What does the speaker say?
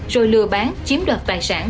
rồi lừa bán chiếm đoạt tài sản